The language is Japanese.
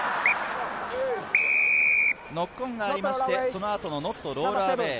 ノックオンがありまして、そのあとノットロールアウェイ。